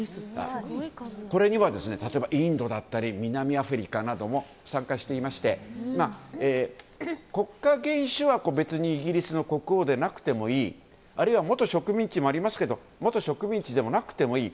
これには例えばインドだったり南アフリカなども参加していまして国家元首は、別にイギリスの国王でなくてもいい。あるいは元植民地もありますけど元植民地でなくてもいい。